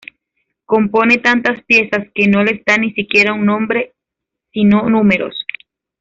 Compone tantas piezas que no les da ni siquiera un nombre sino números.